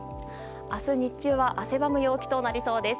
明日日中は汗ばむ陽気となりそうです。